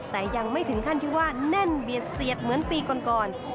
แต่ยังไม่ถึงขั้นที่ว่าแน่นเบียดเสียดเหมือนปีก่อน